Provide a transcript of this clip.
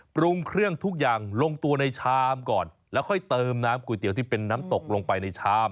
ปรุงเครื่องทุกอย่างลงตัวในชามก่อนแล้วค่อยเติมน้ำก๋วยเตี๋ยวที่เป็นน้ำตกลงไปในชาม